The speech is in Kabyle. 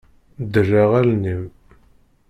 Derreɛ allen-im.